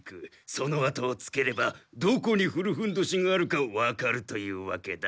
そのあとをつければどこに古ふんどしがあるかわかるというわけだ。